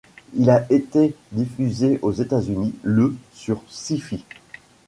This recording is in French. Il a été diffusé aux États-Unis le sur Syfy.